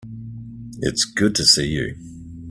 It's good to see you.